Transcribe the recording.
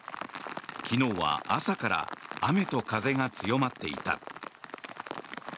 昨日は朝から雨と風が強まっていた。